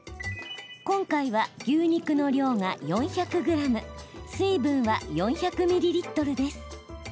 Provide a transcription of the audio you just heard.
今回は、牛肉の量が４００ｇ水分は４００ミリリットルです。